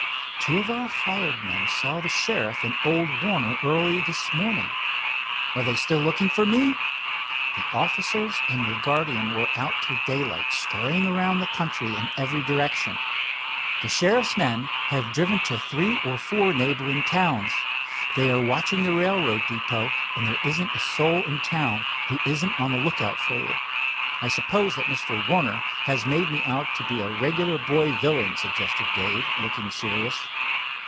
"Two of our hired men saw the sheriff and old Warner early this morning." "Are they still looking for me?" "The officers and your guardian were out till daylight, scurrying around the country in every direction. The sheriff's men have driven to three or four neighboring towns. They are watching the railroad depot, and there isn't a soul in town who isn't on the lookout for you." "I suppose that Mr. Warner has made me out to be a regular boy villain," suggested Dave, looking serious.